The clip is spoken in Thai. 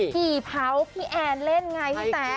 กี่เผาพี่แอนเล่นไงพี่แต๊